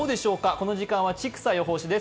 この時間は千種予報士です。